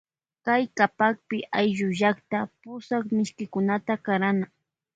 Kay kapakpi ayllullakta pushak mishkikunata karana.